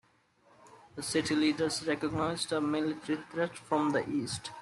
The city leaders recognized a military threat from the east.